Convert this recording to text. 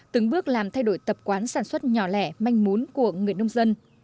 từng bước làm thay đổi tập quán sản xuất nhỏ lẻ manh mún của người nông dân